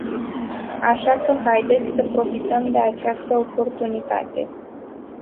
Așa că haideți să profităm de această oportunitate.